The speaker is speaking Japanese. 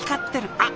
あっ！